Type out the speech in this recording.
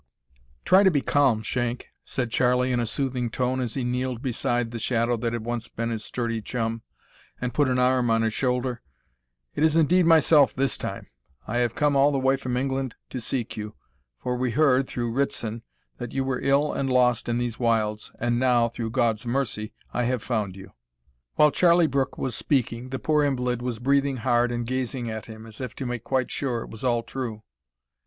"Try to be calm, Shank," said Charlie, in a soothing tone, as he kneeled beside the shadow that had once been his sturdy chum, and put an arm on his shoulder. "It is indeed myself this time. I have come all the way from England to seek you, for we heard, through Ritson, that you were ill and lost in these wilds, and now, through God's mercy, I have found you." While Charlie Brooke was speaking, the poor invalid was breathing hard and gazing at him, as if to make quite sure it was all true.